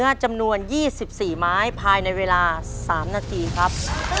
จำนวน๒๔ไม้ภายในเวลา๓นาทีครับ